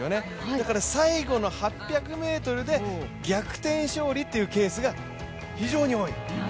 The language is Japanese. だから最後の８００ｍで逆転勝利というケースが非常に多い。